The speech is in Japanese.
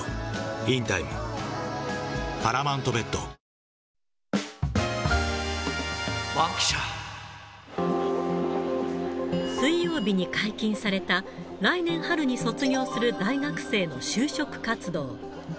一方で、水曜日に解禁された、来年春に卒業する大学生の就職活動。